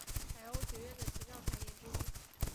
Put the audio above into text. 海鸥学园的奇妙传言之一。